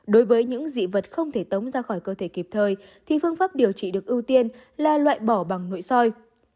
đối với những dị vật không thể tống ra khỏi cơ thể kịp thời thì phương pháp điều trị được ưu tiên là loại bỏ bằng nội soi